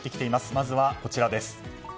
まずは、こちらです。